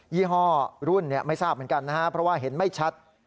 ี่ห้อรุ่นไม่ทราบเหมือนกันนะครับเพราะว่าเห็นไม่ชัด